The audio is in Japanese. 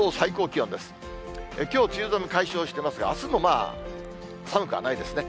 きょう、梅雨寒解消してますが、あすもまあ、寒くはないですね。